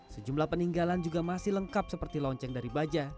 sejumlah peninggalan juga masih lengkap seperti lonceng dari baja